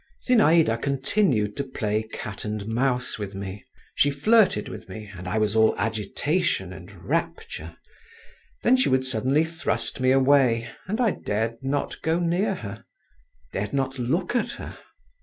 Zinaïda continued to play cat and mouse with me. She flirted with me, and I was all agitation and rapture; then she would suddenly thrust me away, and I dared not go near her—dared not look at her.